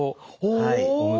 はい。